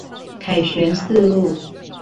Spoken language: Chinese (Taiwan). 凱旋四路